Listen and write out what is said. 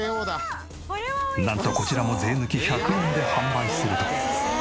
なんとこちらも税抜き１００円で販売すると。